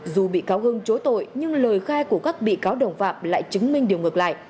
dù bị cáo hưng chối tội nhưng lời khai của các bị cáo đồng phạm lại chứng minh điều ngược lại